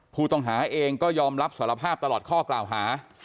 ผู้ต้องหาเองก็ยอมรับสารภาพตลอดข้อกล่าวหา